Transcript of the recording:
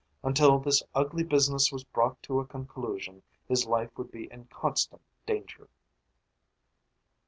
Until this ugly business was brought to a conclusion, his life would be in constant danger.